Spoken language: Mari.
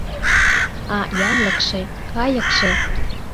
А янлыкше, кайыкше...